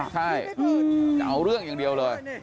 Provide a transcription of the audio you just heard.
ใช่จะเอาเรื่องอย่างเดียวเลย